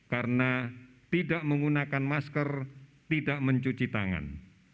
karena tidak menggunakan masker tidak mencuci tangan